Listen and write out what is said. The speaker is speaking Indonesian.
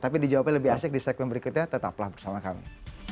tapi dijawabnya lebih asik di segmen berikutnya tetaplah bersama kami